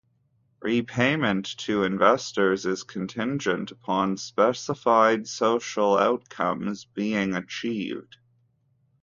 Repayment to investors is contingent upon specified social outcomes being achieved.